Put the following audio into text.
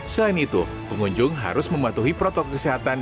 selain itu pengunjung harus mematuhi protokol kesehatan